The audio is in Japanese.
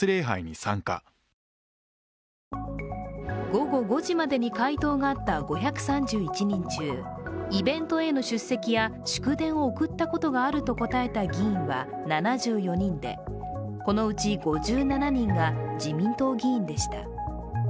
午後５時までに回答があった５３１人中、イベントへの出席や祝電を送ったことがあると答えた議員は７４人でこのうち５７人が自民党議員でした。